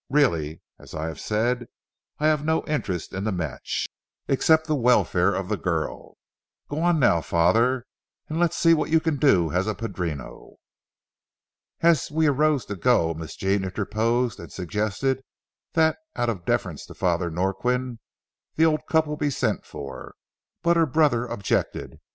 Really, as I have said, I have no interest in the match, except the welfare of the girl. Go on now, Father, and let's see what you can do as a padrino." As we arose to go, Miss Jean interposed and suggested that, out of deference to Father Norquin, the old couple be sent for, but her brother objected.